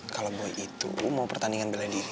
kalau boy itu mau pertandingan bela diri